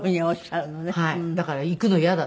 だから行くの嫌だって。